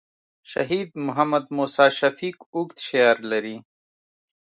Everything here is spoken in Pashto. شهید محمد موسي شفیق اوږد شعر لري.